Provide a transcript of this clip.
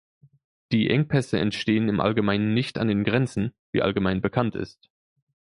Die Engpässe entstehen im Allgemeinen nicht an den Grenzen, wie allgemein bekannt ist.